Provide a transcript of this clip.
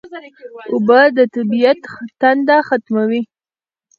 اوبه د طبیعت تنده ختموي